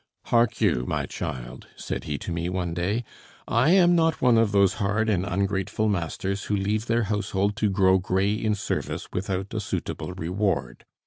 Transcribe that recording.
"Hark you, my child," said he to me one day; "I am not one of those hard and ungrateful masters who leave their household to grow gray in service without a suitable reward.